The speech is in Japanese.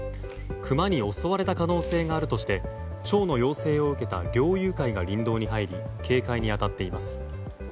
クマに襲われた可能性があるとして町の要請を受けた猟友会が林道に入り警戒に当たっています。